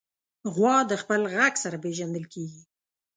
غوا د خپل غږ سره پېژندل کېږي.